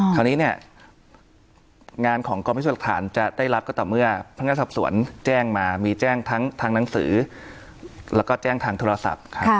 คราวนี้เนี่ยงานของกองพิสูจน์หลักฐานจะได้รับก็ต่อเมื่อพนักงานสอบสวนแจ้งมามีแจ้งทั้งทางหนังสือแล้วก็แจ้งทางโทรศัพท์